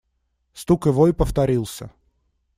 Стук и вой повторился.